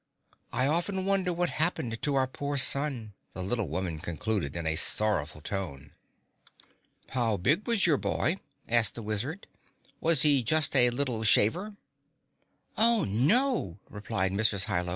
I often wonder what happened to our poor son," the little woman concluded in a sorrowful tone. "How big was your boy?" asked the Wizard. "Was he just a little shaver?" "Oh, no," replied Mrs. Hi Lo.